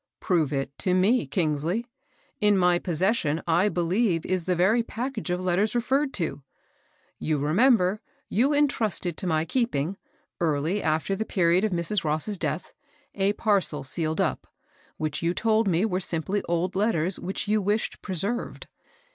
"Prove it to ?»«, Kingsley. In my posses sion 1 believe is the very package of lett^ s referred to. You remember you entrusted to my keeping, early after the period of Mrs. Ross' death, a parcel sealed up, which you told me were simply old letters which you wished preserved.